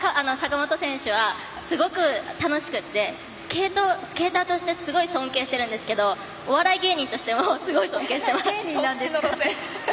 すごく楽しくてスケーターとしても尊敬してるんですけどお笑い芸人としてもすごい尊敬しています。